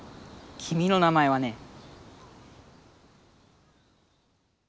君の名前はね。